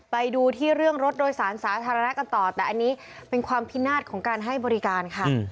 ไปดูที่เรื่องรถโดยสารสาธารณะกันต่อแต่อันนี้เป็นความพินาศของการให้บริการค่ะ